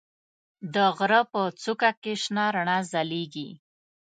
د غره په څوکه کې شنه رڼا ځلېږي.